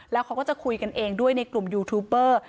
แล้วเขาก็จะคุยกันเองด้วยในกลุ่มยูทูปเบอร์